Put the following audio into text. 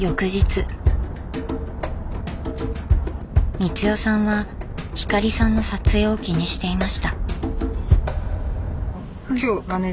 光代さんは光さんの撮影を気にしていました。